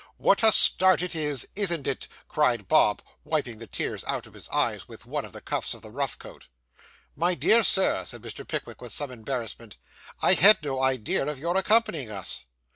'What a start it is, isn't it?' cried Bob, wiping the tears out of his eyes, with one of the cuffs of the rough coat. 'My dear Sir,' said Mr. Pickwick, with some embarrassment, 'I had no idea of your accompanying us.